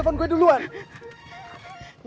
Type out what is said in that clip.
jadi gara gara itu kamu nikung saya